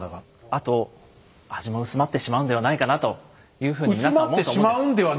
あと味も薄まってしまうんではないかなというふうに皆さん思うと思うんです。